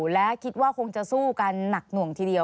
และคิดว่าคงจะสู้กันหนักหน่วงทีเดียว